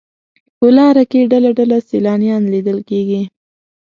په لاره کې ډله ډله سیلانیان لیدل کېږي.